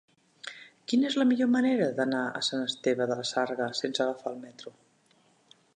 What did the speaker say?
Quina és la millor manera d'anar a Sant Esteve de la Sarga sense agafar el metro?